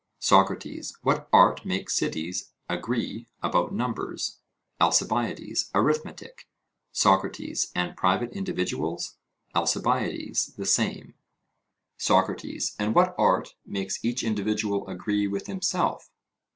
SOCRATES: What art makes cities agree about numbers? ALCIBIADES: Arithmetic. SOCRATES: And private individuals? ALCIBIADES: The same. SOCRATES: And what art makes each individual agree with himself?